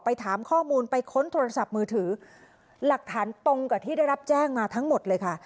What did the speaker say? ถามข้อมูลไปค้นโทรศัพท์มือถือหลักฐานตรงกับที่ได้รับแจ้งมาทั้งหมดเลยค่ะ